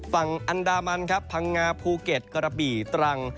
ฝั่งอันดามันครับพังงาภูเก็ตกระบี่ตรัง